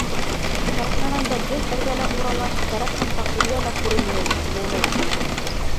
- Кәрәкмәгәндә гел эргәлә урала, кәрәк саҡта күҙгә лә күренмәй, мәмәй.